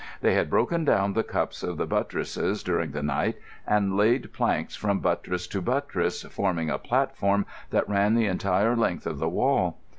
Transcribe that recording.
They had broken down the cups of the buttresses during the night and laid planks from buttress to buttress, forming a platform that ran the entire length of the wall.